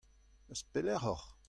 Eus pelec'h oc'h ?